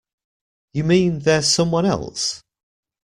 You mean there's someone else?